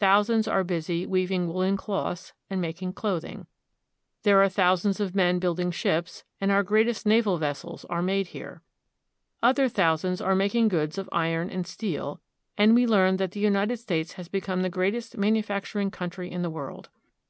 Thou sands are busy weaving woolen cloths and making clothing. There are thou V'^S'^f '^' sands of men building ships, and our wmiamPenn greatest naval vessels are made here. Other thousands are making goods of iron and steel; and we learn that the United States has become the greatest manufacturing country in the world.